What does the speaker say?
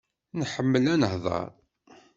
Nḥemmel ad nehḍer.